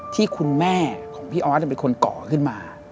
ที่คุณแม่ของพี่ออสเป็นคนก่อขึ้นมา